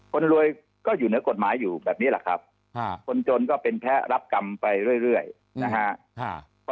คนรวยก็อยู่เหนือกฎหมายอยู่แบบนี้แหละครับคนจนก็เป็นแพ้รับกรรมไปเรื่อยนะฮะ